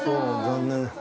残念。